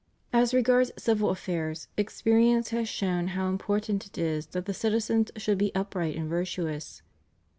^ As regards civil affairs, experience has shown how important it is that the citizens should be upright and virtuous.